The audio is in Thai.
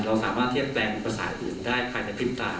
เราสามารถเทียบแปลงภาษาอื่นได้ภายในพริบตา